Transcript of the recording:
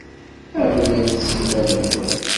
Amnemt s yiman-nkent.